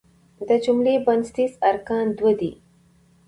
د جملې بنسټیز ارکان دوه دي.